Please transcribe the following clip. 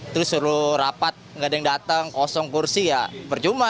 terus suruh rapat gak ada yang datang kosong kursi ya percuma